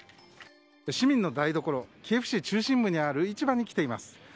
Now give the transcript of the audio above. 市民の台所キエフ市中心部にある市場に来ています。